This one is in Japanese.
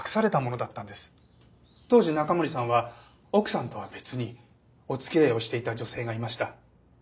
当時中森さんは奥さんとは別にお付き合いをしていた女性がいました。